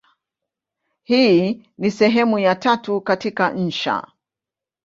Hii ni sehemu ya tatu katika insha.